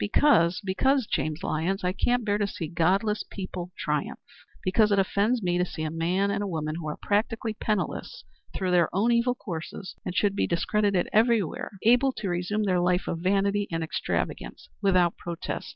"Because because, James Lyons, I can't bear to see godless people triumph. Because it offends me to see a man and woman, who are practically penniless through their own evil courses, and should be discredited everywhere, able to resume their life of vanity and extravagance without protest."